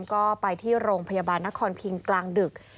ก็ไปที่โรงพยาบาลนครพิงกลางดึก